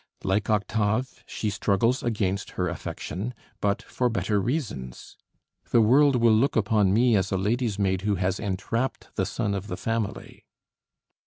Like Octave, she struggles against her affection, but for better reasons: "The world will look upon me as a lady's maid who has entrapped the son of the family."